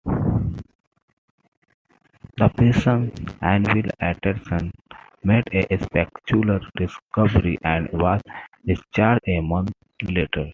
The patient, Hanvil Andersen, made a spectacular recovery and was discharged a month later.